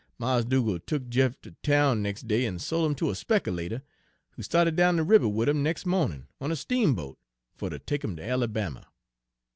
Mars' Dugal' tuk Jeff ter town nex' day en' sol' 'im ter a spekilater, who sta'ted down de ribber wid 'im nex' mawnin' on a steamboat, fer ter take 'im ter Alabama.